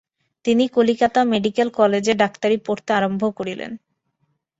তিনি কলিকাতা মেডিক্যাল কলেজে ডাক্তারি পড়তে আরম্ভ করিলেন।